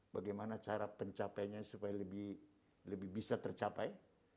bagaimana cara pencapaiannya supaya lebih bisa tercapai